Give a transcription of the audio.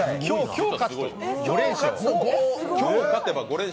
今日勝つと５連勝。